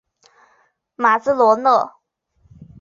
马兹罗勒。